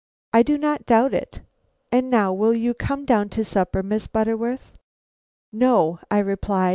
"I do not doubt it. And now will you come down to supper, Miss Butterworth?" "No," I replied.